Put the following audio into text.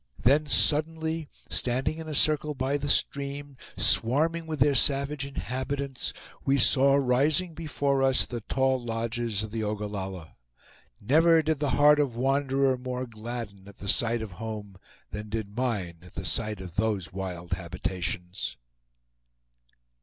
Then, suddenly, standing in a circle by the stream, swarming with their savage inhabitants, we saw rising before us the tall lodges of the Ogallalla. Never did the heart of wanderer more gladden at the sight of home than did mine at the sight of those wild habitations!